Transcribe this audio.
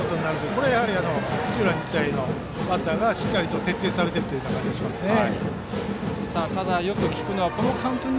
これやはり土浦日大のバッターがしっかり徹底されている感じがしますね。